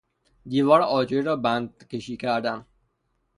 دیوار آجری را بند کشی کردن